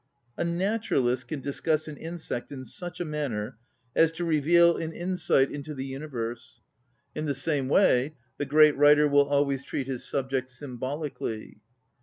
A naturalist can discuss an insect in such a man ner as to reveal an insight into the 30 ON READING universe. In the same way, the great writer w├╝l always treat his subject symbolically.